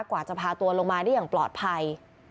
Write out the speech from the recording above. กว่าจะพาตัวลงมาได้อย่างปลอดภัย